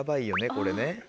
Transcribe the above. これね。